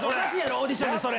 オーディションでそれ！